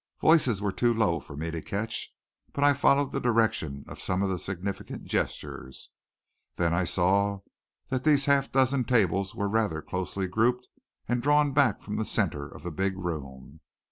Voices were too low for me to catch, but I followed the direction of some of the significant gestures. Then I saw that these half dozen tables were rather closely grouped and drawn back from the center of the big room.